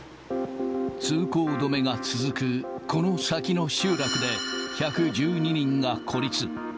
通行止めが続く、この先の集落で１１２人が孤立。